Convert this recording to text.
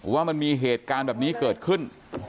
ว่ามันมีเหตุการณ์แบบนี้เกิดขึ้น